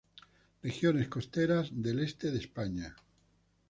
Regiones costeras del E de España.